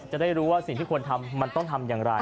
จะได้รู้ว่าสิ่งที่ควรทำมันต้องทำอย่างไร